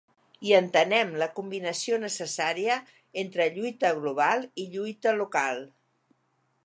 I entenem la combinació necessària entre lluita global i lluita local.